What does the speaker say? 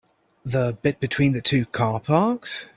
The bit between the two car parks?